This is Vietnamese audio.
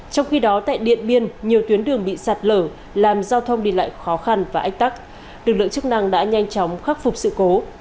trong khi đó tại điện biên nhiều tuyến đường bị sạt lở làm giao thông đi lại khó khăn và ách tắc lực lượng chức năng đã nhanh chóng khắc phục sự cố